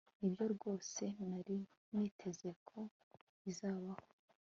Nibyo rwose nari niteze ko bizabaho